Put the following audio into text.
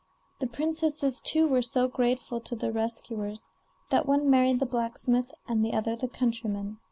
The princesses, too, were so grateful to their rescuers, that one married the blacksmith, and the other the countryman.